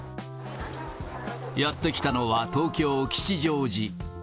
やって来たのは、東京・吉祥寺。